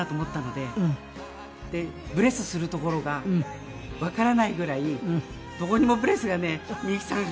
でブレスするところがわからないぐらいどこにもブレスがねみゆきさんが。